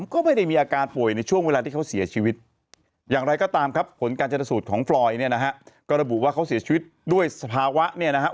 ก็ระบุว่าเขาเสียชีวิตด้วยสภาวะเนี่ยนะฮะ